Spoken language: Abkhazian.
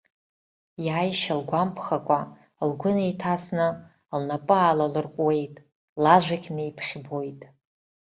Иааишьа лгәамԥхакәа, лгәы неиҭасны, лнапы аалалырҟәуеит, лажәагь неиԥхьбоит.